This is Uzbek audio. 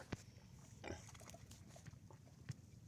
Nurobodda “Anjirli” suv ombori quriladi